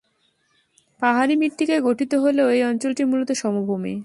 পাহাড়ী মৃত্তিকায় গঠিত হলেও এই অঞ্চলটি মূলত সমভূমি।